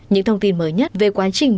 những thông tin mới nhất về quá trình